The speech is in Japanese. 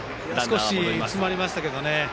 少し詰まりましたけどね。